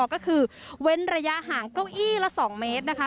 ก็คือเว้นระยะห่างเก้าอี้ละ๒เมตรนะคะ